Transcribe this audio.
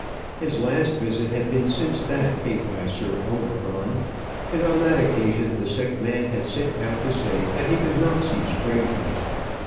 His last visit had been since that paid by Sir Omicron, and on that occasion the sick man had sent out to say that he could not see strangers.